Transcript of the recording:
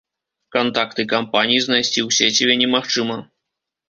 Кантакты кампаній знайсці у сеціве немагчыма.